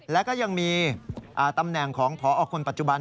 แล้วก็ยังมีตำแหน่งของพอคนปัจจุบัน